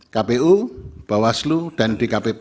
kpu bawaslu dan dkpp